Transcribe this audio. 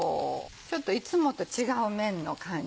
ちょっといつもと違う麺の感じ。